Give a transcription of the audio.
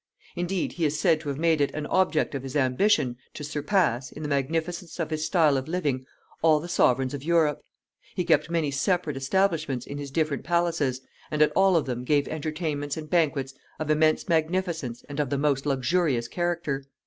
Indeed, he is said to have made it an object of his ambition to surpass, in the magnificence of his style of living, all the sovereigns of Europe. He kept many separate establishments in his different palaces, and at all of them gave entertainments and banquets of immense magnificence and of the most luxurious character.